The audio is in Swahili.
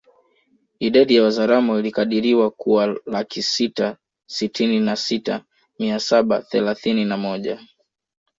Idadi ya Wazaramo ilikadiriwa kuwalaki sita sitini na sita mia saba thelathini na moja